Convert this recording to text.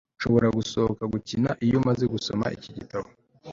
Nshobora gusohoka gukina iyo maze gusoma iki gitabo